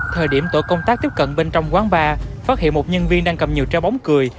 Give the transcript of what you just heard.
thời điểm tổ công tác tiếp cận bên trong quán bar phát hiện một nhân viên đang cầm nhiều trái bóng cười